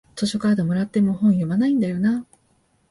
図書カードもらっても本読まないんだよなあ